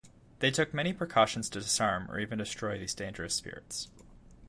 They took many precautions to disarm or even destroy these dangerous spirits.